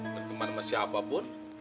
berteman sama si abah pun